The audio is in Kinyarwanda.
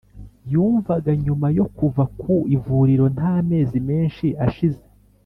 yumvaga nyuma yo kuva ku ivuriro nta mezi menshi ashize